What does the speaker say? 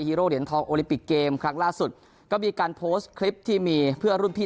โร่เหรียญทองโอลิปิกเกมครั้งล่าสุดก็มีการโพสต์คลิปที่มีเพื่อนรุ่นพี่